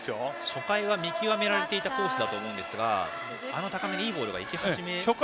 初回は見極められていたコースだと思うんですが高めにいいボールが行き始めましたかね。